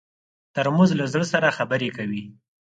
ترموز له زړه سره خبرې کوي.